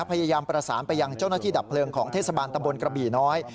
พยายามประสานไปยังเจ้าหน้าที่ดับเพลิงของเทศบาลตำบลกระบี่น้อย